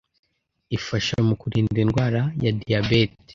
Ifasha mu kurinda indwara ya diyabete